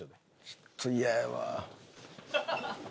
ちょっとイヤやわ。